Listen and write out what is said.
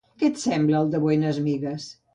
Què et sembla el de Buenas Migas?